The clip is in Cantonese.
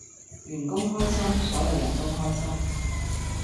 員工開心，所有人都開心